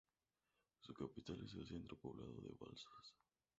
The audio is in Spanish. Su capital es el centro poblado de Balsas.